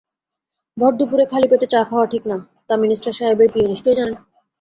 ভর-দুপুরে খালিপেটে চা খাওয়া ঠিক না, তা মিনিস্টার সাহেবের পি এ নিশ্চয়ই জানেন।